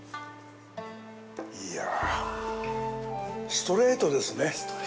ストレートですね！